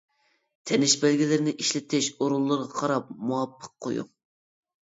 تىنىش بەلگىلىرىنى ئىشلىتىش ئورۇنلىرىغا قاراپ مۇۋاپىق قۇيۇڭ.